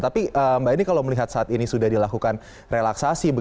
tapi mbak eni kalau melihat saat ini sudah dilakukan relaksasi